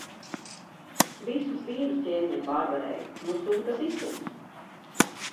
Visus vīrus ķēniņam pārvarēju. Nu sūta siseņus.